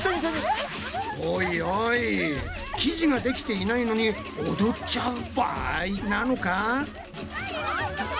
おいおい生地ができていないのに踊っちゃう場合なのか？